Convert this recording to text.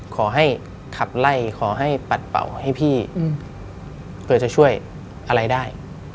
ขอให้ขับไล่ขอให้ปัดเป่าให้พี่เผื่อจะช่วยอะไรได้